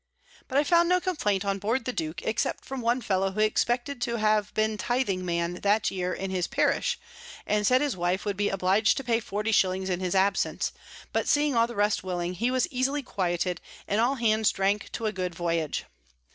But I found no Complaint on board the Duke, except from one Fellow who expected to have been Tything Man that year in his Parish, and said his Wife would be oblig'd to pay Forty Shillings in his Absence: but seeing all the rest willing, he was easily quieted, and all Hands drank to a good Voyage.